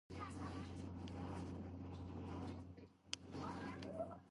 მისი მმართველობის პერიოდში ურთიერთობები გაღრმავდა კასტილიასთან.